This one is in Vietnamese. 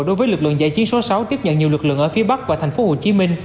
đối với lực lượng giải trí số sáu tiếp nhận nhiều lực lượng ở phía bắc và tp hcm